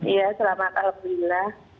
iya selamat alhamdulillah